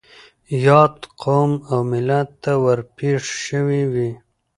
ياد قوم او ملت ته ور پېښ شوي وي.